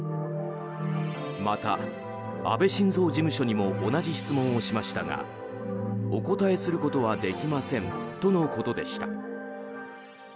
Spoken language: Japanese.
また、安倍晋三事務所にも同じ質問をしましたがお答えすることはできませんとのことでした。